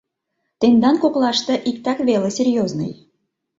— Тендан коклаште иктак веле серьёзный...